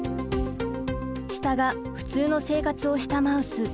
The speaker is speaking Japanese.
下が普通の生活をしたマウス。